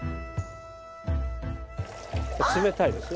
冷たいですよ。